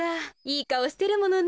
いいかおしてるものね。